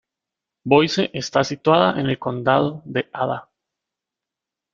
Boise está situada en el condado de Ada.